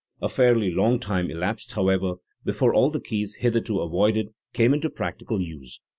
A fairly long time elapsed, however, before all the keys hitherto avoided came into practical use.